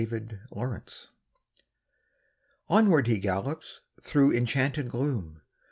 KNIGHT ERRANT Onward he gallops through enchanted gloom.